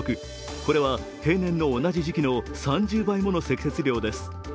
これは平年の同じ時期の３０倍もの積雪量です。